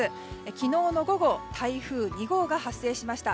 昨日の午後、台風２号が発生しました。